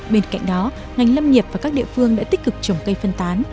bên cạnh đó ngành lâm nghiệp và các địa phương đã tích cực trồng cây phân tán